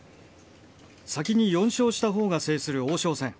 先に４勝した方が制する王将戦。